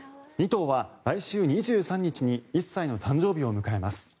２頭は来週２３日に１歳の誕生日を迎えます。